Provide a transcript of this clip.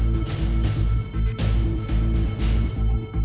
สวัสดีครับที่ได้รับความรักของคุณ